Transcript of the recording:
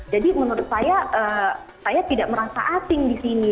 jadi menurut saya saya tidak merasa asing di sini